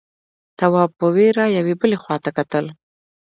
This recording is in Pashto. تواب په وېره يوې بلې خواته کتل…